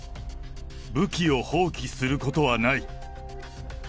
武器を放棄することはない。